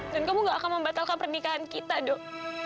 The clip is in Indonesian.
dan kamu gak akan membatalkan pernikahan kita dok